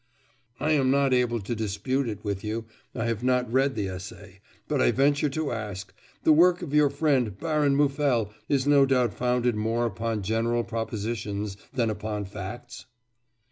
'I am not able to dispute it with you; I have not read the essay. But I venture to ask the work of your friend Baron Muffel is no doubt founded more upon general propositions than upon facts?